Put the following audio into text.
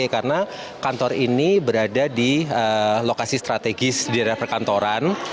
karena kantor ini berada di lokasi strategis di daerah perkantoran